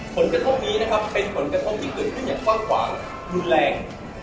ผลกระทบนี้เป็นผลกระทบที่เกิดขึ้นอย่างคว่างรุนแรง